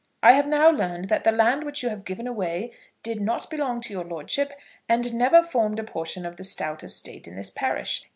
I have now learned that the land which you have given away did not belong to your lordship, and never formed a portion of the Stowte estate in this parish.